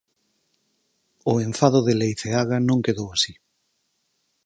O enfado de Leiceaga non quedou así.